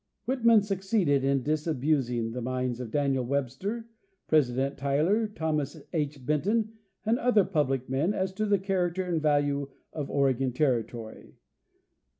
Whitman succeeded in disabusing the minds of Daniel Web ster, President Tyler, Thomas H. Benton, and other public men as to the character and value of Oregon territory.